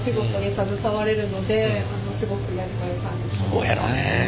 そうやろね。